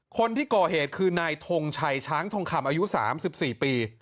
คนที่ก่อเหตุคือนายทงชัยช้างทองคำอายุ๓๔ปี